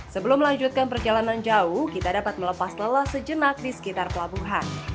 sebelum melanjutkan perjalanan jauh kita dapat melepas lelah sejenak di sekitar pelabuhan